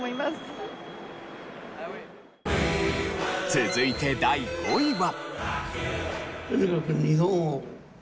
続いて第５位は。